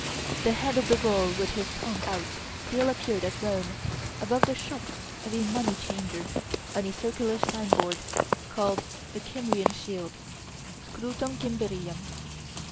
the head of the Gaul with his tongue out still appeared at Rome, above the shop of a money changer, on a circular sign board, called "the Kymrian shield" (scutum Cimbricum).